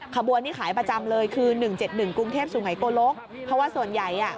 ขบวนนี้ขายประจำเลยคือ๑๗๑กรุงเทพสุหายโกลกเพราะว่าส่วนใหญ่อ่ะ